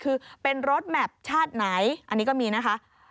คือเป็นรถแมพชาติไหนอันนี้ก็มีนะคะ